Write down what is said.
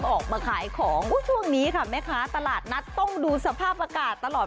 ออกมาขายของช่วงนี้ค่ะแม่ค้าตลาดนัดต้องดูสภาพอากาศตลอด